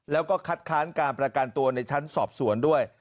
แล้วก็คัดค้านการประกันตัวในชั้นสอบสวนด้วย